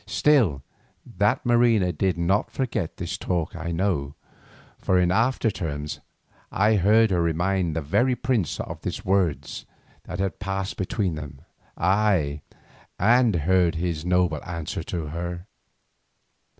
Still that Marina did not forget this talk I know, for in after times I heard her remind this very prince of the words that had passed between them, ay, and heard his noble answer to her.